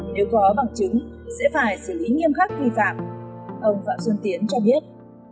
nếu có bằng chứng sẽ phải xử lý nghiêm khắc vi phạm ông phạm xuân tiến cho biết